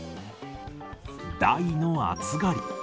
大の暑がり。